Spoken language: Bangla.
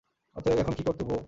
অতএব এখন কী কর্তব্য?